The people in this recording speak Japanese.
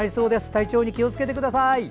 体調に気をつけてください。